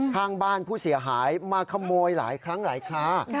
ข้างบ้านผู้เสียหายมาขโมยหลายครั้งหลายคา